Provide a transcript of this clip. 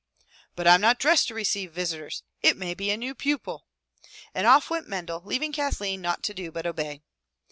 "But I'm not dressed to receive visitors. It may be a new pupil." And off went Mendel, leaving Kathleen naught to do iDut obey.